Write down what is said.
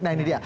nah ini dia